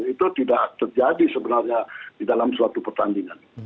itu tidak terjadi sebenarnya di dalam suatu pertandingan